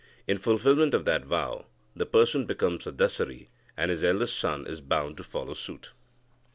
In fulfilment of that vow, the person becomes a Dasari, and his eldest son is bound to follow suit."